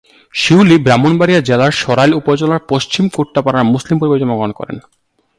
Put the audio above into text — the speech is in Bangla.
শিউলি ব্রাহ্মণবাড়িয়া জেলার সরাইল উপজেলার পশ্চিম কুট্টাপাড়ায় মুসলিম পরিবারে জন্মগ্রহণ করেন।